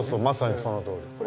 まさにそのとおり。